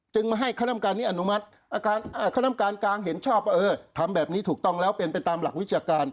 มาให้คณะกรรมการนี้อนุมัติคณะการกลางเห็นชอบว่าเออทำแบบนี้ถูกต้องแล้วเป็นไปตามหลักวิชาการ